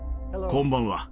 こんばんは。